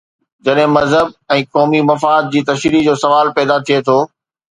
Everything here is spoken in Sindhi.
جڏهن مذهب ۽ قومي مفاد جي تشريح جو سوال پيدا ٿئي ٿو.